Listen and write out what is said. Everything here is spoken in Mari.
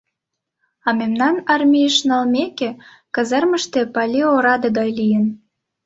А мемнам армийыш налмеке, казармыште Пали ораде гай лийын.